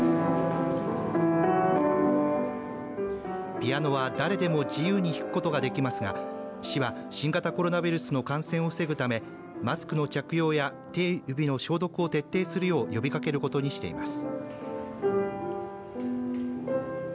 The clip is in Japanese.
ピアノは誰でも自由に弾くことができますが市は新型コロナウイルスの感染を防ぐためマスクの着用や手指の消毒を徹底するよう呼びかけることにしています。